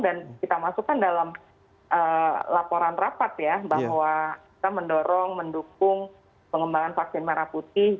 dan kita masukkan dalam laporan rapat ya bahwa kita mendorong mendukung pengembangan vaksin merah putih